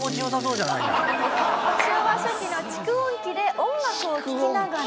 昭和初期の蓄音機で音楽を聴きながら。